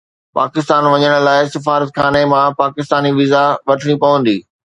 پاڪستان وڃڻ لاءِ سفارتخاني مان پاڪستاني ويزا وٺڻي پوندي